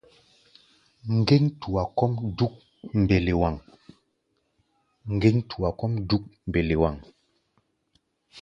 Ŋgéŋ-tua kɔ́ʼm dúk mbelewaŋ.